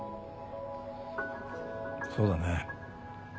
そうだね。